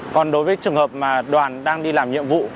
còn đối với trường hợp mà đoàn đang đi làm nhiệm vụ